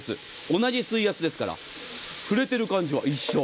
同じ水圧ですから触れている感じは一緒。